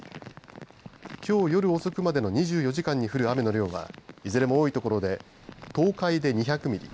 きょう夜遅くまでの２４時間に降る雨の量はいずれも多い所で東海で２００ミリ